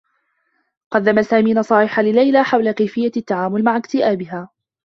قدّم سامي نصائحا ليلى حول كيفيّة التّعامل مع اكتئابها.